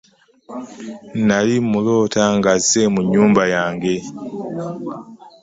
Nnali mmuloota ng'azze mu nyumba yange